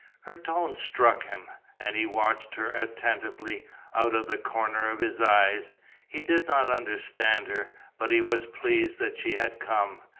Her tone struck him; and he watched her attentively, out of the corner of his eyes. He did not understand her, but he was pleased that she had come.